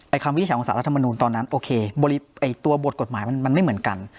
ไอความวิทยาของสารรัฐมนุนตอนนั้นโอเคบริไอตัวบทกฎหมายมันมันไม่เหมือนกัน